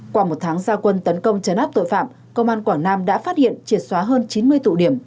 qua một tháng gia quân tấn công chấn áp tội phạm công an quảng nam đã phát hiện triệt xóa hơn chín mươi tụ điểm